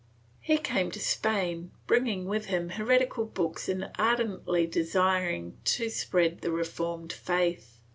He came to Spain, bringing with him heretical books and ardently desiring to spread the reformed faith.